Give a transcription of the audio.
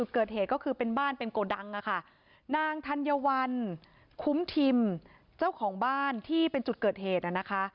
เกิดเหตุก็คือเป็นบ้านเป็นโกดังอะค่ะนางธัญวัลคุ้มทิมเจ้าของบ้านที่เป็นจุดเกิดเหตุนะคะ